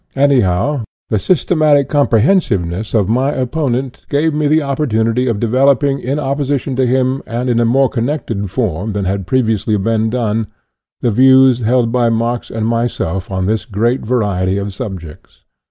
Any how, the systematic comprehensiveness of my opponent gave me the opportunity of developing, in opposition to him, and in a more connected form than had previously been done, the views held by Marx and myself on this great variety of subjects.